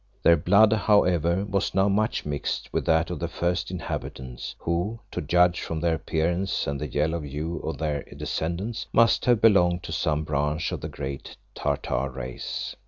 Their blood, however, was now much mixed with that of the first inhabitants, who, to judge from their appearance and the yellow hue of their descendants must have belonged to some branch of the great Tartar race.